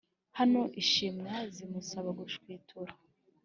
naho ishwima zimusaba gushwitura